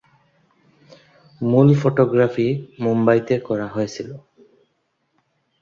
মূল ফটোগ্রাফি মুম্বাই তে করা হয়েছিল।